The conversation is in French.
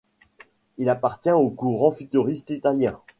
Il appartient au courant futuriste italien.